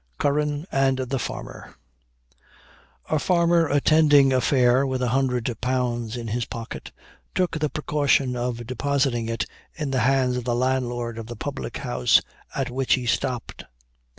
CURRAN AND THE FARMER. A farmer attending a fair with a hundred pounds in his pocket, took the precaution of depositing it in the hands of the landlord of the public house at which he stopped.